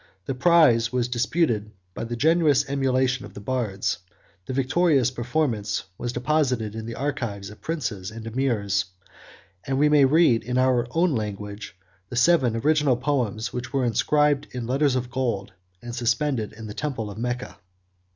The prize was disputed by the generous emulation of the bards; the victorious performance was deposited in the archives of princes and emirs; and we may read in our own language, the seven original poems which were inscribed in letters of gold, and suspended in the temple of Mecca.